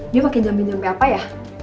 dia pake jam jam pap ya